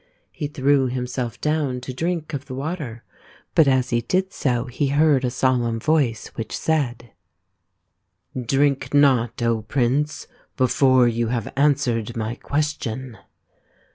He threw himself down to drink of the 149 150 THE INDIAN STORY BOOK water, but as he did so he heard a solemn Voice which said, " Drink not, Prince, before you have answered my question."